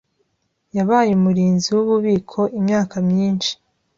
Yabaye umurinzi wububiko imyaka myinshi.